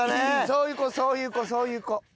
そういう子そういう子そういう子。